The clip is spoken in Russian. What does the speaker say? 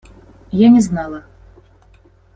Я не знала.